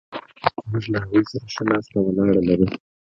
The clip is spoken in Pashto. موږ له هغوی سره ښه ناسته ولاړه لرو.